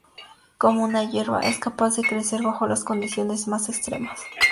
Como una hierba, es capaz de crecer bajo las condiciones más extremas.